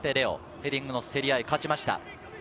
ヘディングの競り合い、勝ちました。